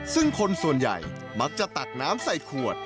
ซึ่งคนส่วนใหญ่มักจะตักน้ำใส่ขวด